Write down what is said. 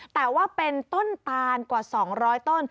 แต่ว่าเป็นต้นตานกว่า๒๐๐ต้น